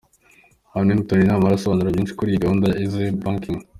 Hannington Namara asobanura byinshi kuri iyi gahunda ya Eazzy Banking.